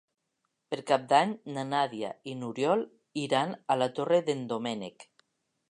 Per Cap d'Any na Nàdia i n'Oriol iran a la Torre d'en Doménec.